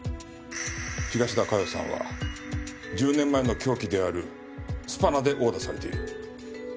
東田加代さんは１０年前の凶器であるスパナで殴打されている。